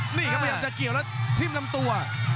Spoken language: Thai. นี่ครับมันอาจจะเกี่ยวและชิ้นลำตัว